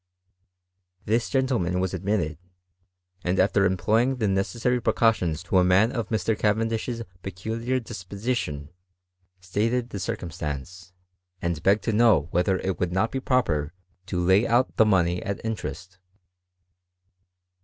This gentleman was admitted ; and, after employing the necessary precautions to a man of Mr. Cavendish's peculiar disposition, stated the circumstance, and beg ged to know whether it would not be proper to lay out the money at interest.